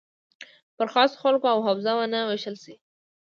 پر خاصو خلکو او حوزو ونه ویشل شي.